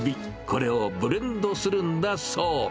これをブレンドするんだそう。